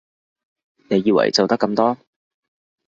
你以為就得咁多？